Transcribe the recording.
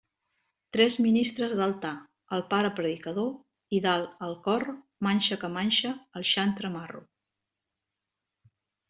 Tres ministres d'altar, el pare predicador, i dalt al cor manxa que manxa el xantre Marro.